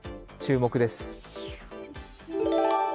注目です。